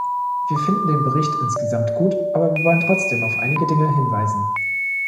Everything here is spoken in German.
Wir finden den Bericht insgesamt gut, aber wir wollen trotzdem auf einige Dinge hinweisen.